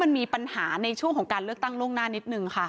มันมีปัญหาในช่วงของการเลือกตั้งล่วงหน้านิดนึงค่ะ